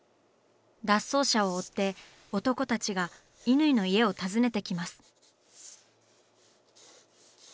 脱走者を追って男たちが乾の家を訪ねてきます。